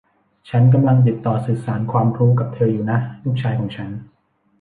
ฉันกำลังติดต่อสื่อสารความรู้กับเธออยู่นะ ลูกชายของฉัน